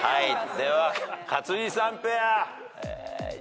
では勝地さんペア。